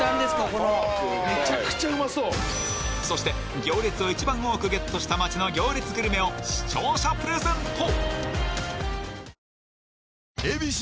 ここのめちゃくちゃうまそうそして行列を一番多くゲットした街の行列グルメを視聴者プレゼント